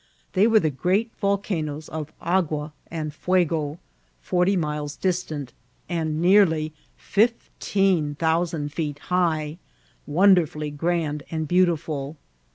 They were the great volcanoes of Agua and Fuego, forty miles distant, and nearly fifteen thousand feet high, wcmderfnlly grand and beautiful.